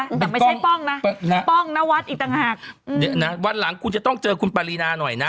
แต่ไม่ใช่ป้องป้องนวัดอีกต่างหากวันหลังเจอกับคุณปารีนาหน่อยนะ